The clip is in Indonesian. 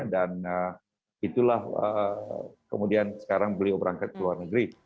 dan itulah kemudian sekarang beliau berangkat ke luar negeri